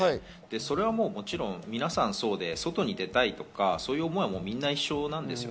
それは皆さんそうで外に出たいとかそういう思いは皆、一緒なんですよ。